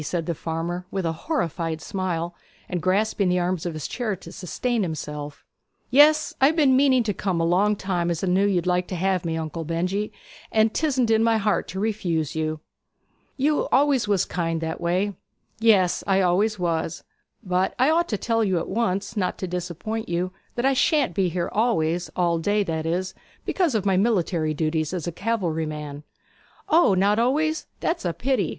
said the farmer, with a horrified smile, and grasping the arms of his chair to sustain himself. 'Yes; I have been meaning to come a long time, as I knew you'd like to have me, Uncle Benjy; and 'tisn't in my heart to refuse you.' 'You always was kind that way!' 'Yes; I always was. But I ought to tell you at once, not to disappoint you, that I shan't be here always all day, that is, because of my military duties as a cavalry man.' 'O, not always? That's a pity!'